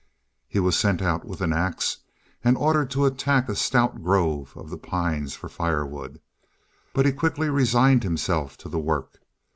He was sent out with an ax and ordered to attack a stout grove of the pines for firewood. But he quickly resigned himself to the work.